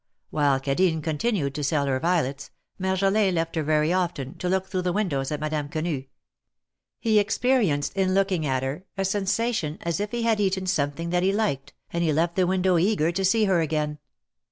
While Cadine continued to sell her violets, Marjolin left her very often, to look through the windows at Madame Quenu. He experienced in looking at her a sensation as if he had eaten something that he liked, and he left the window eager to see her again.